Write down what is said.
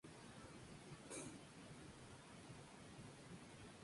Habrá una plaza central y una galería con techo de cristal.